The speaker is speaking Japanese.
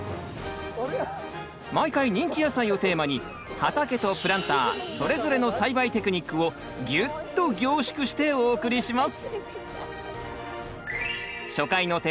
毎回人気野菜をテーマに畑とプランターそれぞれの栽培テクニックをギュッと凝縮してお送りします！